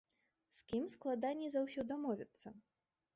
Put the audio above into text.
З кім складаней за ўсё дамовіцца?